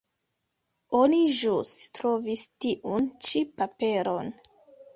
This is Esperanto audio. Oni ĵus trovis tiun ĉi paperon.